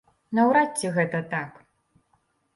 Наўрад ці гэта так.